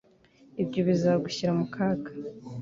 Ibyo bizagushyira mu kaga.